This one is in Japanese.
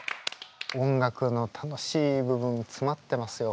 音楽の楽しい部分詰まってますよ。